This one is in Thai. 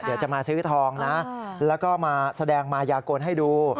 เดี๋ยวจะมาซื้อทองนะแล้วก็มาแสดงมายากลให้ดู